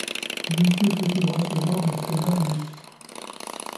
Monsieur peut-il recevoir monsieur Marius?